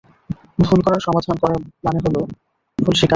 ভুল সমাধান করার মানে হলো, ভুল স্বীকার করা।